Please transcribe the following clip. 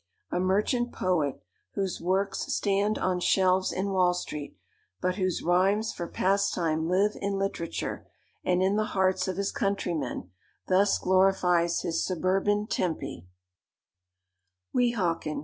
A merchant poet, whose "works" stand on shelves in Wall Street, but whose rhymes for pastime live in literature, and in the hearts of his countrymen, thus glorifies his suburban Tempe:— "Weehawken!